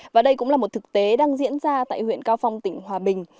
và đây cũng là một thực tế đang diễn ra tại huyện cao phong tỉnh hòa bình